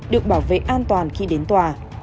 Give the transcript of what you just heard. được bảo vệ an toàn khi đến tòa